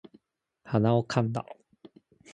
鼻をかんだ